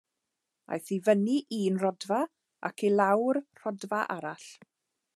Aeth i fyny un rodfa ac i lawr rhodfa arall.